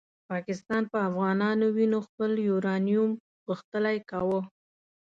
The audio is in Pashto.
پاکستان په افغانانو وینو خپل یورانیوم غښتلی کاوه.